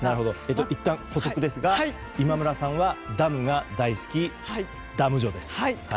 いったん、補足ですが今村さんはダムが大好きダム女です。